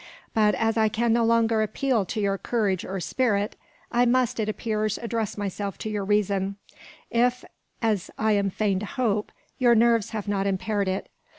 But, as I can no longer appeal to your courage or spirit, I must, it appears, address myself to your reason; if, as I am fain to hope, your nerves have not impaired it.